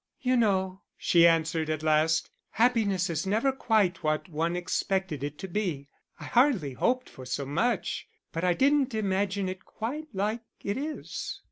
"You know," she answered, at last, "happiness is never quite what one expected it to be. I hardly hoped for so much; but I didn't imagine it quite like it is."